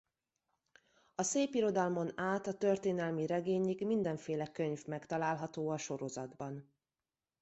A szépirodalmon át a történelmi regényig mindenféle könyv megtalálható a sorozatban.